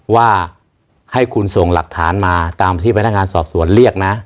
ว่าให้คุณส่งหลักฐานมาตามที่พนักงานสอบสวนเรียกนะ